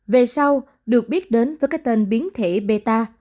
về sau được biết đến với cái tên biến thể bea